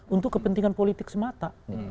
untuk kepentingan politik semata